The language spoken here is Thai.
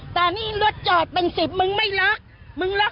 มึงก็จับตรงนี้กันสิ